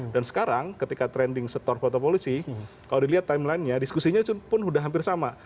dan sekarang ketika trending store fotopolisik kalau dilihat timelinenya diskusinya pun sudah hampir sama